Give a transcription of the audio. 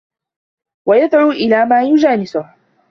وَيَدْعُو إلَى مَا يُجَانِسُهُ